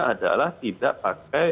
adalah tidak pakai